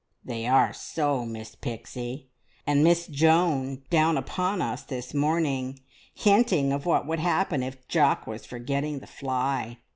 "They are so, Miss Pixie, and Miss Joan down upon us this morning, hinting of what would happen if Jock was forgetting the fly.